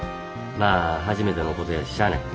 まあ初めてのことやししゃない。